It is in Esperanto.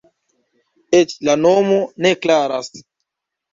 Eĉ la nomo ne klaras.